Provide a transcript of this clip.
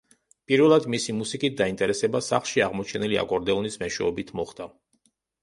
პირველად მისი მუსიკით დაინტერესება სახლში აღმოჩენილი აკორდეონის მეშვეობით მოხდა.